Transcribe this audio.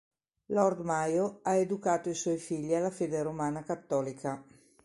Lord Mayo ha educato i suoi figli alla fede romana cattolica.